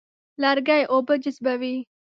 لرګی اوبه جذبوي.